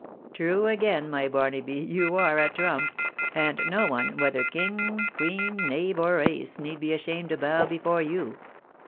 " True again, my Barnaby, you are a trump ; and no one, whether king, queen, knave, or ace, need be ashamed to bow before you.